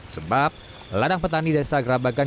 sebab ladang petani desa gerabagan